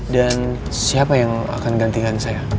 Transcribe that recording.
dan siapa yang akan gantikan saya